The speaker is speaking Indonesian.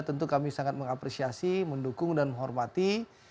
tentu kami sangat mengapresiasi mendukung dan menghormati